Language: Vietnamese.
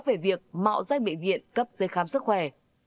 về việc mạo ra bệnh viện cấp dây khám sức khỏe